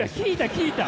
聞いた？